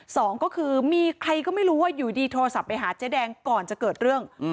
สองก็คือมีใครก็ไม่รู้ว่าอยู่ดีโทรศัพท์ไปหาเจ๊แดงก่อนจะเกิดเรื่อง